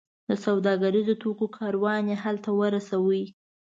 د سوداګریزو توکو کاروان یې هلته ورساوو.